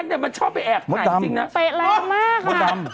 เตะแบบมาก